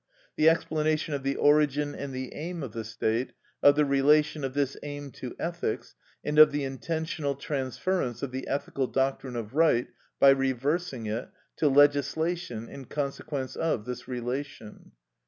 The explanation of the origin and the aim of the state, of the relation of this aim to ethics, and of the intentional transference of the ethical doctrine of right, by reversing it, to legislation, in consequence of this relation.